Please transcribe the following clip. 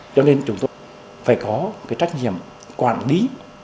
cho nên chúng tôi phải có cái trách nhiệm quản lý